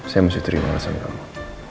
saya mesti terima alasan kamu